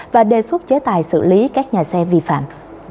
và đề xuất chế tài xử lý các nhà xe vi phạm